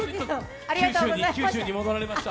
九州に戻られました。